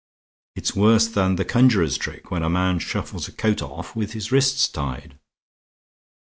It's worse than the conjurer's trick, when a man shuffles a coat off with his wrists tied."